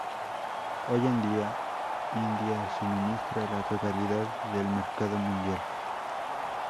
Hoy en día, India suministra la totalidad del mercado mundial.